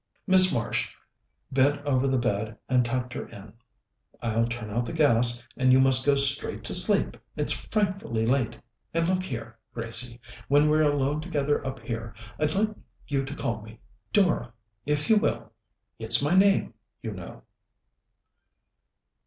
Miss Marsh bent over the bed and tucked her in. "I'll turn out the gas, and you must go straight to sleep. It's frightfully late. And look here, Gracie, when we're alone together up here, I'd like you to call me Dora, if you will. It's my name, you know."